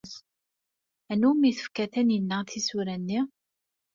Anwa umi tefka Taninna tisura-nni?